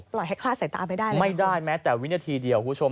ปล่อยให้ฆ่าใส่ตามไม่ได้ไม่ได้แม้แต่วินาทีเดียวคุณผู้ชม